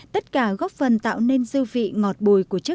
tất cả góp phần tạo nên dư vị ngọt bùi của chất